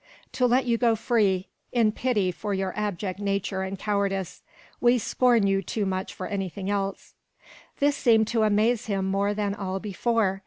"To let you go free, in pity for your abject nature and cowardice. We scorn you too much for anything else." This seemed to amaze him more than all before.